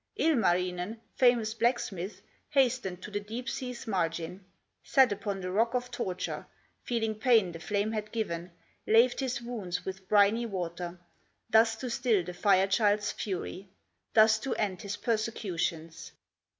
Ilmarinen, famous blacksmith, Hastened to the deep sea's margin, Sat upon the rock of torture, Feeling pain the flame had given, Laved his wounds with briny water, Thus to still the Fire child's fury, Thus to end his persecutions.